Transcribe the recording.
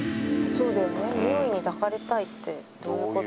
「そうだよね匂いに抱かれたいってどういう事なんだろう？」